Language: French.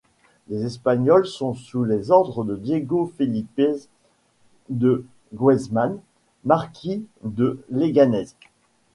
Les Espagnols sont sous les ordres de Diego Felípez de Guzmán, marquis de Leganés.